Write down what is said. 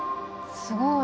すごい。